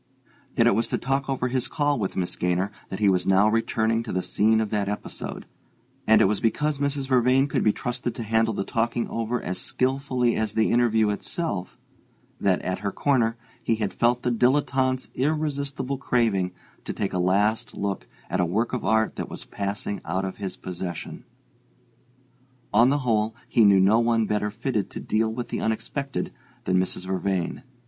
Yet it was to talk over his call with Miss Gaynor that he was now returning to the scene of that episode; and it was because Mrs. Vervain could be trusted to handle the talking over as skilfully as the interview itself that, at her corner, he had felt the dilettante's irresistible craving to take a last look at a work of art that was passing out of his possession. On the whole, he knew no one better fitted to deal with the unexpected than Mrs. Vervain.